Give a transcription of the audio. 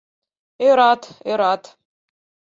Ӧрат, ӧрат...